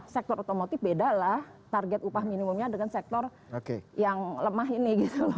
sektor otomotif bedalah target upah minimumnya dengan sektor yang lemah ini